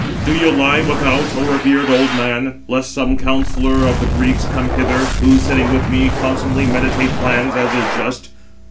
"Do you lie without, O revered old man, lest some counsellor of the Greeks come hither, who, sitting with me, constantly meditate plans, as is just.